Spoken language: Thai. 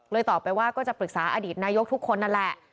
ตอบไปว่าก็จะปรึกษาอดีตนายกทุกคนนั่นแหละ